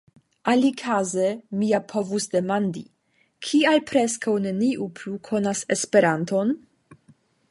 Alikaze mi ja povos demandi: kial preskaŭ neniu plu konas Esperanton?